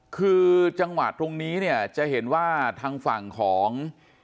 คือจังหวะตรงนี้เนี่ยจะเห็นว่าทางฝั่งของ